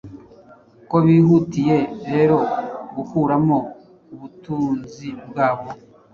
Ko bihutiye rero gukuramo ubutunzibwabo